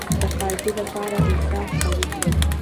د قاضي لپاره انصاف اړین دی